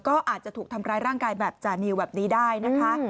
ก็อาจจะถูกทำร้ายร่างกายแบบจานิวแบบนี้ได้นะคะ